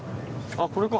あっこれか。